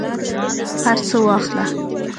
هرڅه واخله